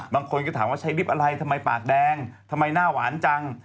บางคนก็ถามว่าใช้ลิฟต์อะไรทำไมปากแดงทำไมหน้าหวานจัง